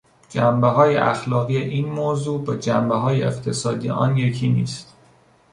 جنبههای اخلاقی این موضوع با جنبههای اقتصادی آن یکی نیست.